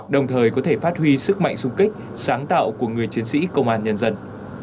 đồng thời có thể phát huy sức mạnh xung kích sáng tạo của người chiến sĩ công an nhân dân